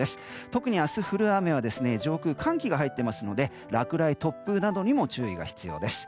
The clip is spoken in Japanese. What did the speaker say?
特に明日、降る雨は上空に寒気が入っていますので落雷、突風などにも注意が必要です。